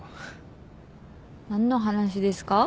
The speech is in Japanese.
何の話ですか？